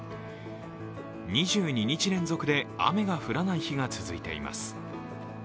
２２日連続で雨が降らない日が続いています。